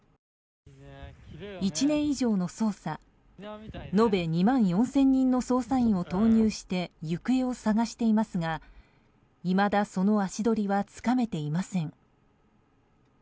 １年以上の捜査延べ２万４０００人の捜査員を投入して行方を捜していますがいまだ、その足取りはつかめていません。